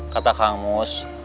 kata kang mus